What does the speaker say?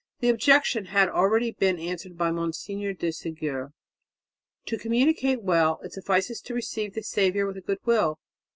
The objection had already been answered by Monsignor de Ségur: "To communicate well, it suffices to receive the Saviour with a good will.